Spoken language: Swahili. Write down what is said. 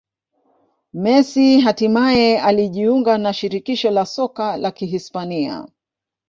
Messi hatimaye alijiunga na Shirikisho la Soka la Kihispania